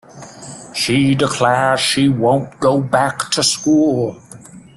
She declares she won’t go back to school.